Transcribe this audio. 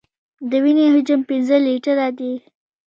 د وینې حجم پنځه لیټره دی.